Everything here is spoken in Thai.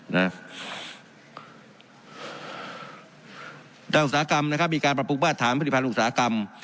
อุตสาหกรรมนะครับมีการปรับปรุงมาตรฐานผลิตภัณฑ์อุตสาหกรรม